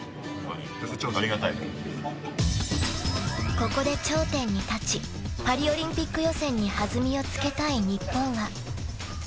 ［ここで頂点に立ちパリオリンピック予選に弾みをつけたい日本は］